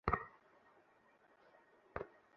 মানে আমার লেখালেখির বিষয়বস্তুর জন্য আর কি!